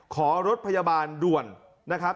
ขอรถพยาบาลด่วนนะครับ